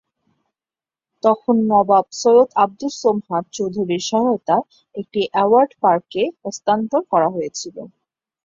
তখন নবাব সৈয়দ আবদুস সোবহান চৌধুরীর সহায়তায় এটি অ্যাডওয়ার্ড পার্কে স্থানান্তর করা হয়েছিল।